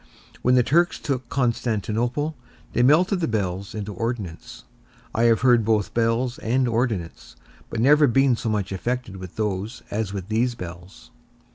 When the Turks took Constantinople, they melted the bells into ordnance; I have heard both bells and ordnance, but never been so much affected with those as with these bells.